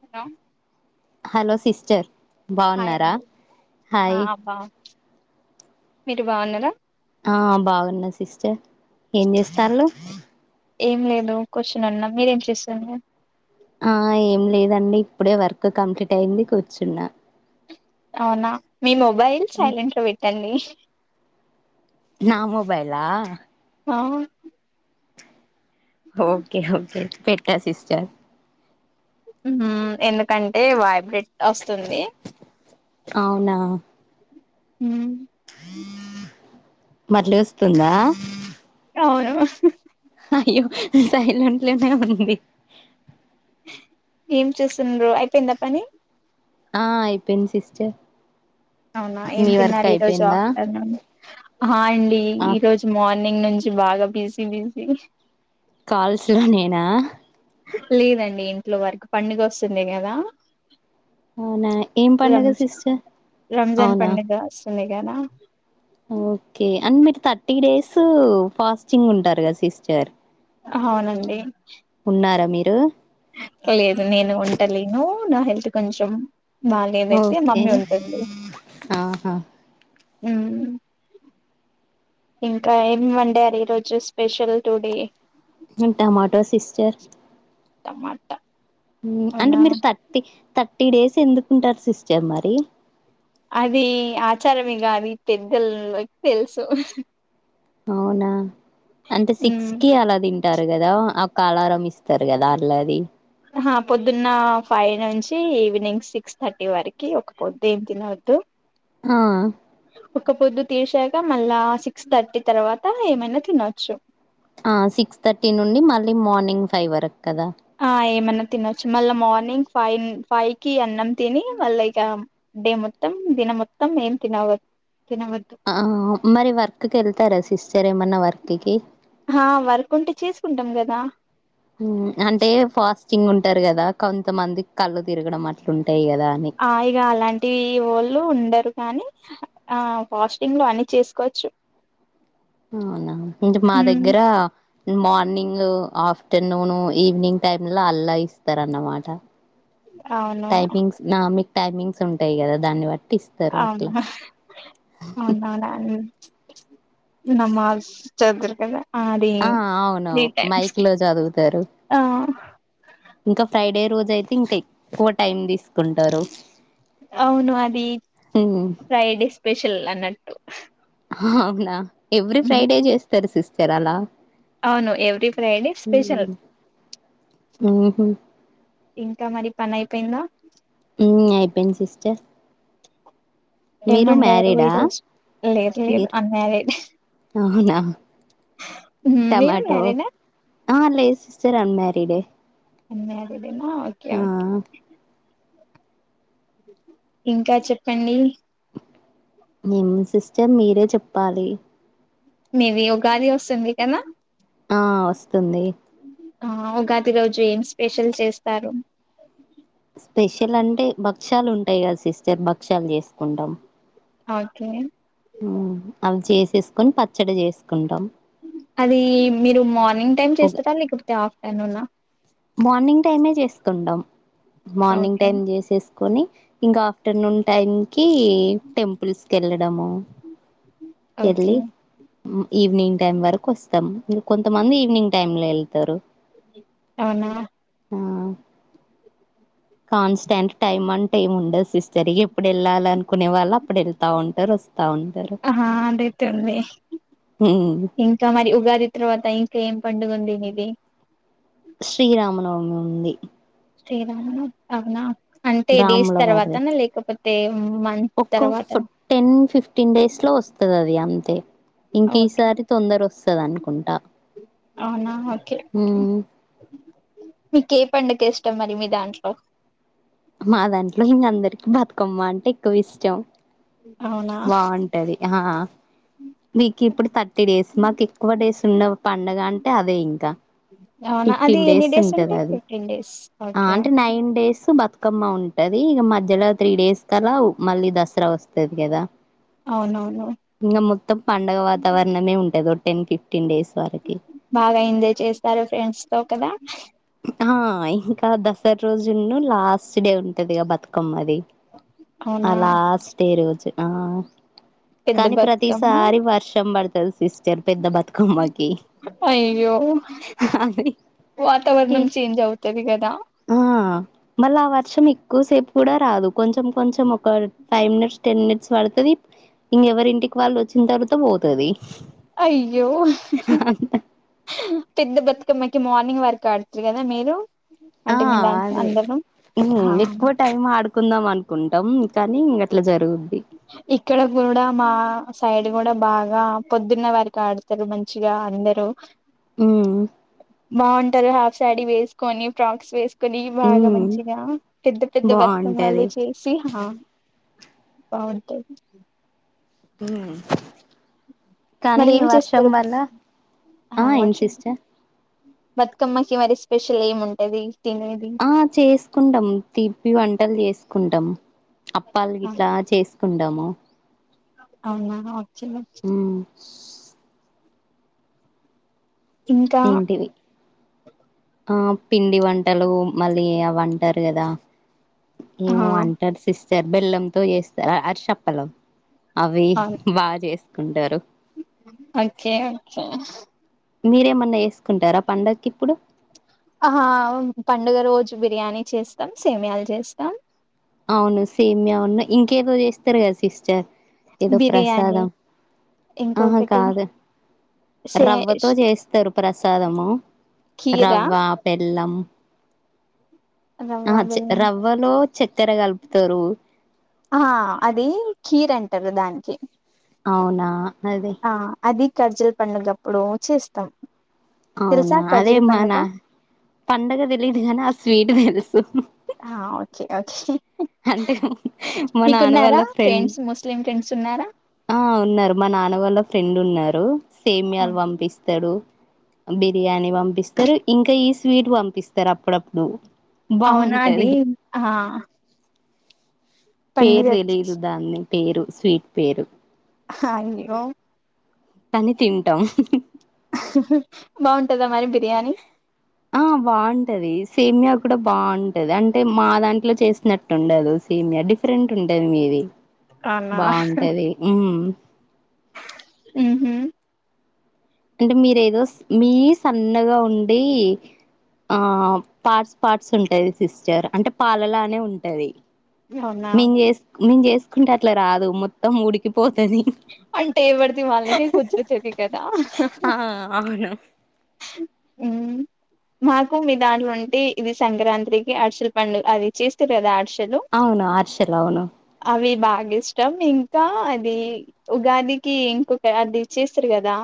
Hello hello sister hi బాన్నారా అండి హా హాయ్ బా మీరు బాగున్నారా ఆ బాగున్నా సిస్టర్ ఏం చేస్తాళ్ళు ఏం లేదు కూర్చొనున్న మీరేం చేస్తున్నారు ఆ ఏం లేదండి ఇప్పుడే వర్క్ కంప్లీట్ అయింది కూర్చున్న అవునా మీ మొబైల్ సైలెంట్ లో పెట్టండి నా మొబైలా ఆ ఓకే ఓకే పెట్టా సిస్టర్ హ్మ్ ఎందుకంటే వైబ్రెట్ వస్తుంది అవునా హ్మ్ మళ్ళీ వస్తుందా అవును అయ్యో సైలెంట్లోనే ఉంది ఏం చూస్తుండ్రు అయిపోయిందా పని ఆ అయిపోయింది సిస్టర్ అవునా ఏం మీ వర్క్ తిన్నారు ఈ రోజు అయిపోయిందా ఆఫ్టర్నూన్ హ అండి ఆ ఈరోజు మార్ న్నింగ్ నుంచి బాగా బిజీబిజీ కాల్స్ లో నేనా లేదండి ఇంట్లో వరకు పండుగ వస్తుంది కదా అవునా ఏం పండుగ రంజాన్ సిస్టర్ అవునా [unintelligible] గానా ఓకే అండ్ మీరు థర్టీ డేసు ఫాస్టింగ్ ఉంటారు గా సిస్టర్ అవునండి హ్మ్ లేదు నేను ఉంటలేను నా హెల్త్ కొంచెం బాలేదైతే ఓకే మమ్మీ ఉంటుంది. ఆహా హ్మ్ ఇంకా ఏం వండారు ఈరోజు special today tomato sister tomato హ్మ్ అంటే అవునా మీరు తర్టీ తత్ థర్టీ డేస్ ఎందుకుంటారు సిస్టర్ మరి అది ఆచారమే కాది పెద్దలకి తెలుసు అవునా అంటే సిక్స్ మ్మ్ కి అలా తిం టారు కదా ఒక అలారం ఇస్తారు కదా అల్లాది అహ పొద్దున్న ఫైవ్ నుంచి ఈవినింగ్ సిక్స్ థర్టీ వరకి ఒక పొద్దు ఏం తినొద్దు ఆ తీర్సాక మళ్ళా సిక్స్ థర్టీ తర్వాత ఏమైనా తినొచ్చు ఆ సిక్స్ థర్టీ నుండి మళ్ళీ మార్నింగ్ ఫైవ్ వర ఆ ఏమన్నా తినొచ్చు మళ్ళా మార్నింగ్ ఫైవ్ ఫైవ్ కి అన్నం తిని మళ్ళా ఇక డే మొత్తం దినం మొత్తం ఏం తినవ తినవద్దు ఆ మరి వర్క్ కి వెళ్తారా సిస్టర్ ఎ మన వర్క్ కి ఆ వర్క్ ఉంటే చేసుకుంటాం కదా హ్మ్ అంటే ఫాస్ట్ చింగ్ ఉంటారు కదా కొంతమంది కళ్ళు తిరగడం అట్లుం ఆ ఇగ అలాంటి వోళ్ళు ఉండరు కానీ ఆ ఫాస్టింగ్ లో అన్ని చేసుకోవచ్చు అవునా ఇంక మా ఉమ్ దగ్గర మార్నింగూ ఆఫ్టర్నూను ఈవినింగ్ టైమ్ లో అల్లా ఇస్తారన్నమాట అవును టైపింగ్స్ నా మీ టైమింగ్స్ ఉంటాయి గదా దాన్ని బట్టి ఇస్తారు అట్లా అవునా అవునవునా నమాజ్ చేదర్ కదా అది ఆ అవును త్రీ టైమ్స్ మైక్ లో చదువుతరు ఆ ఇంకా ఫ్రైడే రోజైతే ఇంక ఎక్కువ టైమ్ తీసుకుంటరు అవును అది ఫ్రైడే స్పెషల్ అన్న ట్టు అవునా ఎవ్రీ ఫ్రైడే చేస్తరు సిస్ చేరళ అవును ఎవ్రీ ఫ్రైడే స్పెషల్ ఉమ్హు. ఇంకా మరి పని అయిపోయిందా ఉమ్ అయిపోంది సిస్టర్ ఏం మీరు వండారు మ్యారీడా ఈరోజు లేదు లేదు ఇయర్ అన్ మ్యారీడ్ అవునా మీరు టమాటో మ్యారీడా ఆ లేస్ సిస్టర్ అన్ మ్యారీడే అన్ మ్యారీడ్ ఏనా ఓకేఓకే ఇంకా చెప్పండి ఏముంది సిస్టర్ మీరే చెప్పాలి మీవి ఉగాది వస్తుంది గదా ఆ వస్తుంది ఆ ఉగాది రోజు ఏం స్పెషల్ చేస్తారు స్పెషల్ అంటే భక్షాలు ఉంటాయి కదా సిస్టర్ భక్ష్యాలు చేసుకుంటాం ఓకే ఆ అవిచేసి తీసుకొని పచ్చడి చేసుకుంటాం అది మీరు మా మార్నింగ్ టైమ్ ఉగ- చేస్తరా లేకపోతే ఆఫ్టర్నూన్ నా మార్నింగ్ టైమే చేసుకుంటాం మార్నింగ్ ఓకే టైమ్ జేసేసుకొని ఇంకా ఆఫ్టర్నూన్ టైం కి టెంపుల్స్ కి వెళ్ళ డము ఎళ్ళి ఓకే ఉమ్ ఈవినింగ్ టైం వరకు వస్తాం ఇంకొంతమంది ఈవినింగ్ టైమ్ లో వెళ్తారు అవునా ఆ కాన్స్టెంట్ టైమ్ అంటే ఏమి ఉండదు సిస్టర్ ఎప్పుడు వెళ్ళాలి అనుకునే వాళ్ళు అప్పుడు వెళ్తా ఉంటారు వస్తు ఆ అదైతే ఉంది హ్మ్ ఇంకా మరి ఉగాది తర్వాత ఇం ఏం పండుగ ఉంది మీది శ్రీరామనవమి ఉంది శ్రీరామనవమి అవునా అంటే డేస్ తర్వాతనా లేకపోత్ ఏం ఒకో టెన్ ఫిఫ్టీన్ డేస్ లో వస్తది అది అంతే ఇంక ఓకే ఈసారి తొందర వస్తుం కద అనుకుంటా అవునా ఓకే హ్మ్ మీకు ఏ పండుగ ఇష్టం మరి మీ దాంట్లో మా దాంట్లో ఇంగ అందరికి బతుకమ్మ అంటే ఎక్కువ ఇష్టం అవునా బాగుంటది. ఆ మీకు ఇప్పుడు థర్టీ డేస్ మాకు ఎక్కువ డేస్ ఉన్న పండగ అంటే అదే ఇంకా అవునా అది ఫిఫ్టీన్ ఎన్ని డేస్ ఉంటది. ఉంటాయి అది ఫిఫ్టీన్ డేస్ ఆ ఓకే అంటే నైన్ డేస్ బతు తుకమ్మ ఉంటది ఇక మధ్యలో త్రీ డేస్ లావ్ మళ్ళీ దసరా వస్ ఉంటది కదా అవునవును ఇంగ మొత్తం పండుగ వాతావరణమే ఉంటది ఒకటి టెన్ ఫిఫ్టీన్ డేస్ వరకి బాగా ఎంజాయ్ చేస్తారు ఫ్రెండ్స్ తో కదా ఆ ఇంకా దసరా రోజును లాస్ట్ డే ఉంటదిగా బతుకమ్మ అది అవునా అలాస్ట్ రోజు ఆ పెద్ద కానీ బతుకమ్మ ప్రతిసారి వర్షం పడుతుం సిస్టర్ పెద్ద బతుకమ్మకి అయ్యో అ వాతావరణం చేంజ్ అవుతది కదా ఆ మళ్ళా వర్షం ఎక్కువసేపు కూడా రాదు కొంచెం కొంచెం ఫైవ్ మినిట్స్ టెన్ మినిట్ పడుతది ఇంకెవరి ఇంటికి వాళ్ళు వచ్చ అయ్యో పెద్ద బతుకమ్మకి మా వరకు ఆడుతు కదా మీరు ఆ అంటే మీ దాంట్లో అదే అందరూ ఉమ్ ఆ ఎక్కువ టైమ్ ఆడుకు కుందాం అనుకుంటాం కానీ అట్లా జరుగదు ఇక్కడ కూడా మా సైడ్ కూడా బాగా పొద్దున్న వారికి ఆడతారు మంచిగా అందరు ఊ బాంటరు హాఫ్ శాడీ వేసుకొని ఫ్రాక్స్ వేసు కొని బాగా ఉమ్ మంచిగా పెద్ద పెద్ద బాగుంటది బతుకమ్మలు చేసి బావుంటది ఉ కానీ మరి ఈ ఏం వర్షం చేస్తారు వల్ల ఆ ఏం సిస్టర్ బతుకమ్మకి మరి స్పెషల్ ఏమి ఉంటది తినేది ఆ చేసుకుంటాం తీపి వంటలు చేసు కుంటాం అప్పాలు ఆ గిట్లా చేస్ కుండాము అవునా అవు చిన్నం ఇంకా ఏంటివి ఆ పిండి వంటలు మళ్ళీ అవి అంటారు గదా ఆ ఏమో అంటారు సిస్ స్తార్ బెల్లంతో చేస్తారు అరిసి అప్పలు అవి అవును బాగా చేస్ కుంటారు ఓకే ఓకే మీరేమన్నా ఏసుకుంటారా పండక్కి ఇప్పుడు అహా అవును పండుగ రోజు బిర్యానీ చేస్తాం సేమియాలు చేస్తాం అవును సేమ్యా వున్నాయ్ ఇంకేదో చేస్తారు కదా సిస్టర్ ఏదో బిర్యానీ ప్రసాదం ఆహా ఇంకొకటి కాదు సే రవ్వతో చేస్తారు ప్రసాదము కీరా రవ్వ పెల్లం రవ్వ అహా చే బిర్యానీ రవ్వలో చెక్కెర కలుపుతరు ఆహ అది కీర్ అంటారు దానికి అవునా అదే ఖర్జులు పండుగప్పుడు చేస్తాం తెలుసా అవునా అదే కర్జల్ మా పండుగ నా పండగ తెలీదు గానీ ఆ స్వీట్ తెలుసు [unintelligible] అహ ఓకే ఓకే అంటే మా నాన్న వాళ్ళ మీకున్నారా ఫ్రెండ్ ఫ్రెండ్స్ ముస్లిం ఫ్రెండ్స్ ఉన్నారా ఆ ఉన్నారు మా నాన్న వాళ్ళ ఫ్రెండు వున్నారు సేమ్యాలు పంపిస్తరు బిర్యానీ పంపిస్తరు ఇంకా ఈ స్వీట్ పంపిస్తరు అప్పుడప్పుడు అవునా అది బాగుంటది ఆహా పేరు తెలీదు దాంది పేరు స్వీట్ పేరు కామెడీ యా అన్నీ తింటాం బాగుంటందా మరి బిర్యానీ ఆ బాగుంటది సేమియా కూడా బాగుంటది అంటే మా దాంట్లో చేసినట్టు ఉండదు సేమియా డిఫరెంట్ ఉంటది మీది. అవునా బాగుంటది మ్మ్ హ్మ్మ్ అంటే మీరేదో మీ సన్నగా ఉండి ఆ పార్ట్స్ పార్ట్స్ ఉంటది సిస్టర్ అంటే పాలలానే ఉంటది. అవునా మేం చేస్ మేం చేస్ ఇంకట్లా రాదు మొత్తం ఉడికి అంటంటేవర్ది వాళ్లకే కుదురుతది కదా ఆ అవును మ్మ్ మాకు మీ దాంట్లో అంటే ఇది సంక్రాంతికి అరిసెలు పండుగ అది చేస్తే కదా అరిసెలు అవును అరిసెలు అవును అవి బాగా ఇష్టం ఇంకా అది ఉగాదికి ఇంకొక అది చేస్తారు కదా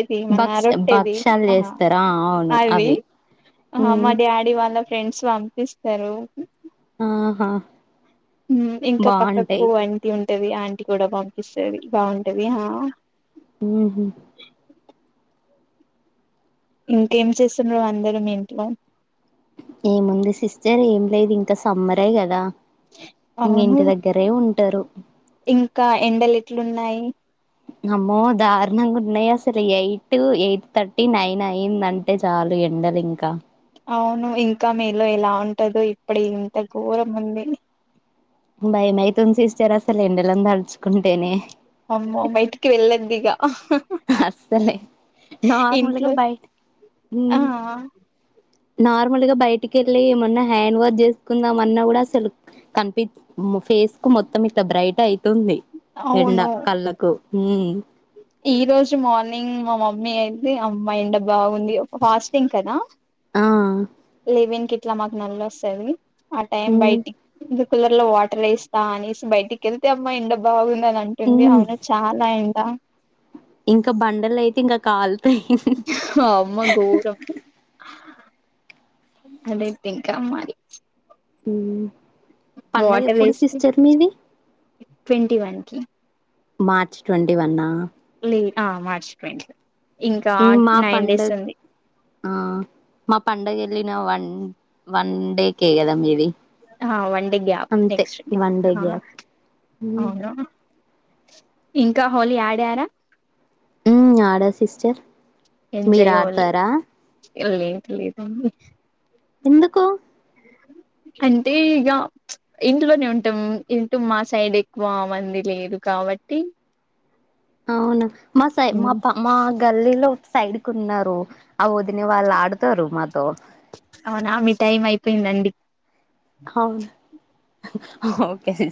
ఇది మన భక్ష రొట్టేది భక్షాలు ఆహా చేస్తారా అవును అది అవి ఆ మ్మ్ మా డాడీ వాళ్ళ ఫ్రెండ్స్ పంపిస్తారు ఆహా హ్మ్మ్ ఇంకా పక్కకు బాగుంటాయి అంటి ఉంట్ ఉంటవి ఆంటీ కూడా పంపిస్తంది బాగుంటది హా హ్మ్మ్ ఇంకేం చేస్తున్నారు అందరూ మీ ఇంట్లో ఏముంది సిస్టర్ ఏం లేదు ఇంకా సమ్మరే గదా అవును ఇంటి దగ్గరే ఉంన్ టరు ఇంకా ఎండలెట్లున్నాయి. అమ్మో దారుణంగున్నాయసలు ఎయ్టు ఎయ్ట్ థర్టీ నైన్ అయిందంటే చాలు ఎండలింక. ఔను ఇంకా మేలో ఎలా ఉంటదో ఇప్ప్డే ఇంత ఘోరముంది. భయమైతుంద్ సిస్టర్ అసలెండలన్ దల్చుకుంటేనే. అమ్మో బయటికి వెళ్ళద్దిగ అస్సలే నార్మల్గా ఇంట్లో బయట ఆ నార్మల్గా బయటికి వెళ్లి ఏమన్న హ్యాండ్ వాస్ చేసుకుందాం అన్నా కూడా అసలు కనిపి ఫేస్ కు మొత్తం ఇట్లా బ్రైట్ అయి కొడుతుంది ఎండ కళ్ళకు ఊమ్ ఈరోజు మార్నింగ్ మ మమ్మీ ఐతే అమ్మ ఎండ బాగుంది ఒ ఫాస్టింగ్ కద ఆ! లెవెన్కి. ట్ల మాక్ నల్లొస్తదీ. ఆ టైమ్ హ్మ్. బైటిక్ కూలర్ లో వాటరేస్తా అనేసి బయటికెళ్తే అమ్మా ఎండ బాగు. టదంటుంది హ్మ్. ఐనా చాలా ఎ. అ ఇంకా బండలయితే ఇంకా కాలుతాయి. అమ్మ ఘోరం. అదేత్తింకా మారి. హ్మ్. పండగెప్పుడు సిస్టర్ మీది. ట్వెంటీ వన్ కి. మార్చ్ ట్వొంటీ వన్నా. లే ఆ మార్చి ట్వెంట్ ఇమ్ మా పండగ్ ఆ మా పండగ్ జే. లిన వన్ వన్ డేకే కద మీది. అహ వన్ డే గ్యాప్ అంతే నెక్స్ట్కి వన్ డే హ గ్యాప్. హ్మ్. ఔనా. ఇంకా హోలీ ఆడారా. ఉమ్ ఆడా సిస్టర్ మీరాడ్తారా. ఎవ్ లేద్ లేదండి. ఎందుకు అంటే ఇగ చ్ ఇంట్లోనే ఉంటం ఇంటు మా సైడెక్కువ మంది లేదు కావట్టి. ఔను మసై మప మాగ్ గల్లీలో ఒక సైడ్ కున్నారు ఆ వొదెన వాళ్ళాడతారు మాతో. ఔనా మీ టైమైయ్పెయ్ందండి. హౌన్ ఓకే.